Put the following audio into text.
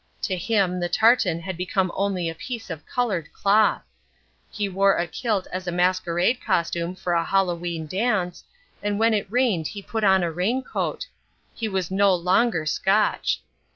To him the tartan had become only a piece of coloured cloth. He wore a kilt as a masquerade costume for a Hallowe'en dance, and when it rained he put on a raincoat. He was no longer Scotch.